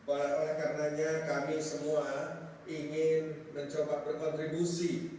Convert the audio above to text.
oleh karenanya kami semua ingin mencoba berkontribusi